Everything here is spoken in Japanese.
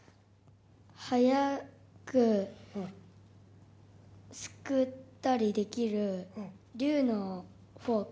はやくすくったりできるりゅうのフォーク！